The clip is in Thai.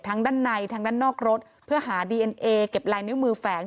ด้านในทั้งด้านนอกรถเพื่อหาดีเอ็นเอเก็บลายนิ้วมือแฝง